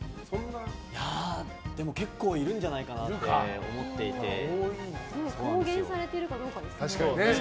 結構いるんじゃないかなって公言されてるかどうかですね。